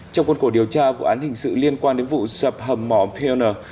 trong quân cổ điều tra vụ án hình sự liên quan đến vụ sập hầm mỏ pioner